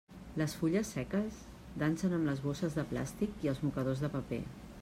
Les fulles seques dansen amb les bosses de plàstic i els mocadors de paper.